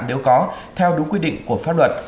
nếu có theo đúng quy định của pháp luật